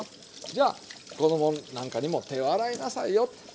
じゃ子供なんかにも手を洗いなさいよと。